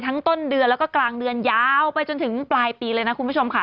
ต้นเดือนแล้วก็กลางเดือนยาวไปจนถึงปลายปีเลยนะคุณผู้ชมค่ะ